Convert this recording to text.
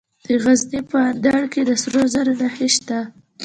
د غزني په اندړ کې د سرو زرو نښې شته.